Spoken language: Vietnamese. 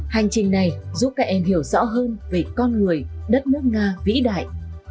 hành trình này giúp các em hiểu rõ hơn về con người đất nước nga vĩ đại